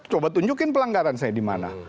coba tunjukin pelanggaran saya di mana